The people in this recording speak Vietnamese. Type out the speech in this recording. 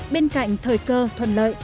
bên cạnh thời cơ thuận lợi